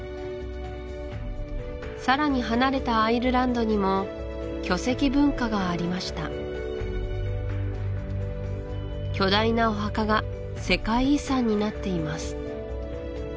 さらに離れたアイルランドにも巨石文化がありました巨大なお墓が世界遺産になっています